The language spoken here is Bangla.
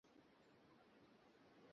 না, সে আসে নাই।